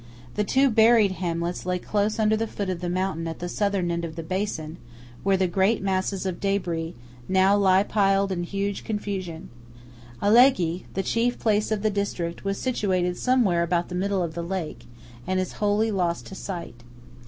The two buried hamlets lay close under the foot of the mountain at the Southern end of the basin, where the great masses of débris now lie piled in huge confusion. Alleghe, the chief place of the district, was situated somewhere about the middle of the lake, and is wholly lost to sight.